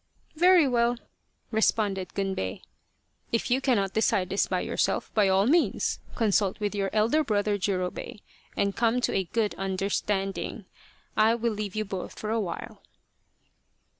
" Very well," responded Gunbei, " if you cannot decide this by yourself, by all means consult with your elder brother Jurobei and come to a good under standing. I will leave you both for a while."